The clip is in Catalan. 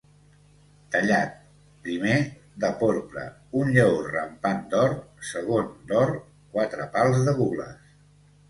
Tallat; primer, de porpra, un lleó rampant d'or; segon, d'or, quatre pals de gules.